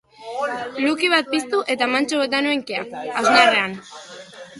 Lucky bat piztu eta mantso bota nuen kea, hausnarrean.